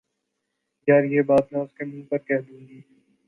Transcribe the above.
یار، یہ بات میں اس کے منہ پر کہ دوں گی